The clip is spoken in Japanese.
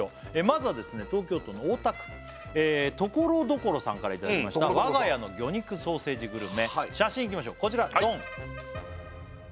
まずはですね東京都の大田区ところどころさんからいただきました我が家の魚肉ソーセージグルメ写真いきましょうこちらドン！